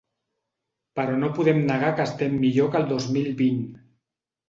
Però no podem negar que estem millor que el dos mil vint.